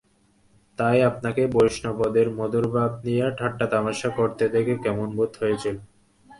তাই আপনাকে বৈষ্ণবদের মধুরভাব নিয়ে ঠাট্টা তামাসা করতে দেখে কেমন বোধ হয়েছিল।